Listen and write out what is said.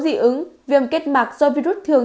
dị ứng viêm kết mạc do virus thường